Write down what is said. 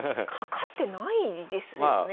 かかってないですよね？